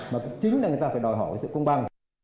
mà cũng chính là người ta phải đòi hỏi sự công bằng